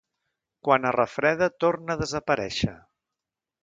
Quan es refreda, torna a desaparèixer.